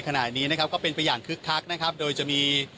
ขณะนี้นะครับก็เป็นไปอย่างคึกคักนะครับโดยจะมี